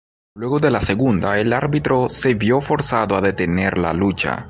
Luego de la segunda, el árbitro se vio forzado a detener la lucha.